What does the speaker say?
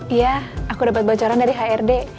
iya aku dapat bocoran dari hrd